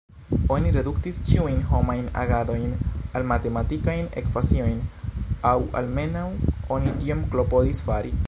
Oni reduktis ĉiujn homajn agadojn al matematikajn ekvaciojn, aŭ almenaŭ oni tion klopodis fari.